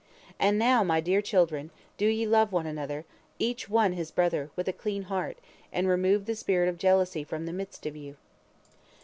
And now, my dear children, do ye love one another, each one his brother, with a clean heart, and remove the spirit of jealousy from the midst of you."